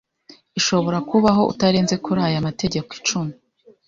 ishobora kubaho utarenze kuri aya mategeko icumi